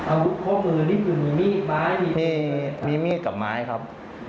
อาวุธพบมือรีบอยู่มีมีดไม้มีมีดกับไม้ครับ